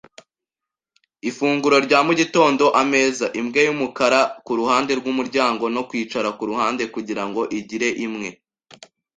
ifunguro rya mugitondo-ameza - Imbwa yumukara kuruhande rwumuryango no kwicara kuruhande kugirango igire imwe